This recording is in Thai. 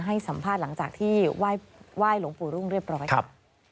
ให้สัมภาษณ์หลังจากที่ไหว้หลวงปู่รุ่งเรียบร้อยค่ะ